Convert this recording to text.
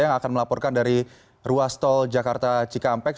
yang akan melaporkan dari ruas tol jakarta cikampek